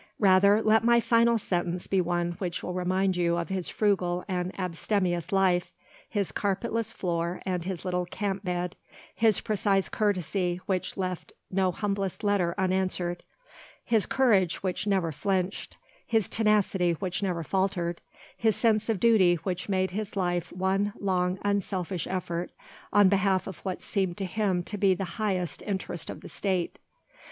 Rather let my final sentence be one which will remind you of his frugal and abstemious life, his carpetless floor and little camp bed, his precise courtesy which left no humblest letter unanswered, his courage which never flinched, his tenacity which never faltered, his sense of duty which made his life one long unselfish effort on behalf of what seemed to him to be the highest interest of the State.